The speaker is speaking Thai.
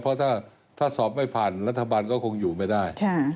เพราะถ้าสอบไม่ผ่านรัฐบาลก็คงอยู่ไม่ได้